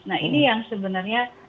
nah ini yang sebenarnya